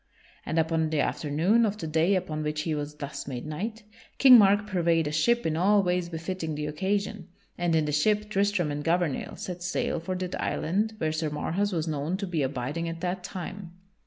And upon the afternoon of the day upon which he was thus made knight, King Mark purveyed a ship in all ways befitting the occasion, and in the ship Tristram and Gouvernail set sail for that island where Sir Marhaus was known to be abiding at that time.